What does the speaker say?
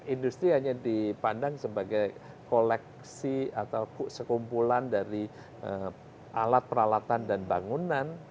industri hanya dipandang sebagai koleksi atau sekumpulan dari alat peralatan dan bangunan